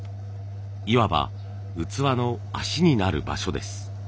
いわば器の足になる場所です。